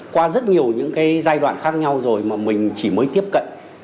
qua rất nhiều những cái giai đoạn khác nhau rồi mà mình chỉ mới tiếp cận